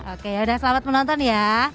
oke yaudah selamat menonton ya